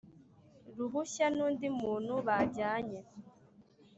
ruhushya n undi muntu bajyanye